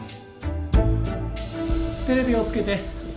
テレビをつけて。